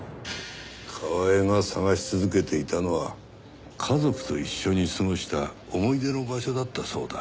カワエが探し続けていたのは家族と一緒に過ごした思い出の場所だったそうだ。